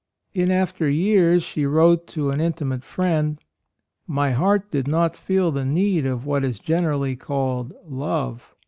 In after years she wrote to an intimate friend: "My heart did not feel the need of what is generally called love.